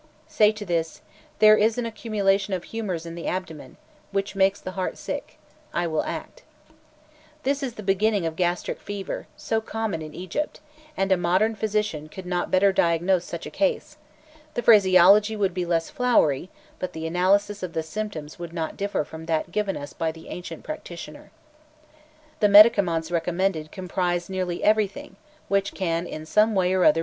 Say to this, 'There is an accumulation of humours in the abdomen, which makes the heart sick. I will act.'" This is the beginning of gastric fever so common in Egypt, and a modern physician could not better diagnose such a case; the phraseology would be less flowery, but the analysis of the symptoms would not differ from that given us by the ancient practitioner.